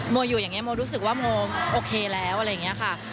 โมอยู่อย่างนี้โมรู้สึกว่าโมโอเคแล้วอะไรอย่างนี้ค่ะ